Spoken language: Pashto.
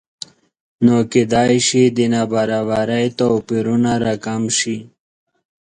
نو کېدای شي د نابرابرۍ توپیرونه راکم شي